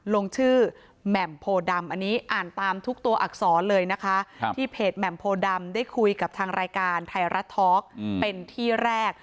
ลงชื่อแหม่มโพดำอันนี้อ่านตามทุกตัวอักษรเลยนะคะที่เพจแหม่มโพดำได้คุยกับทางรายการไทยรัฐท็อกเป็นที่แรก